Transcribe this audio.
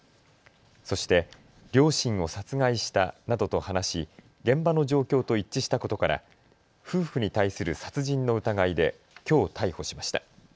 そして両親を殺害したなどと話し現場の状況と一致したことから夫婦に対する殺人の疑いできょう逮捕しました。